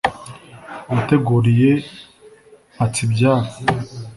uwateguriye mpatsibyaro